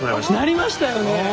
なりましたよねえ！